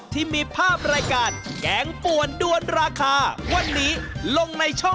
ที่มีภาพรายการแกงป่วนด้วนราคา